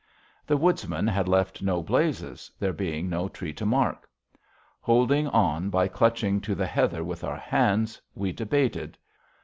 The Woodsman had left no blazes, there being no tree to mark. Holding on by clutching to the heather with our hands, we debated.